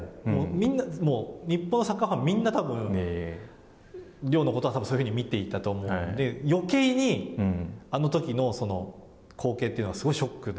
みんな、日本サッカーファンみんな、亮のことはそういうふうに見ていたと思うので、よけいにあのときの光景というのが、すごいショックで。